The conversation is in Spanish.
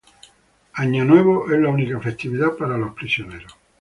Año nuevo es la única festividad para los prisioneros.